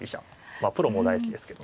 まあプロも大好きですけど。